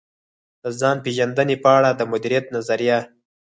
د ځان پېژندنې په اړه د مديريت نظريه.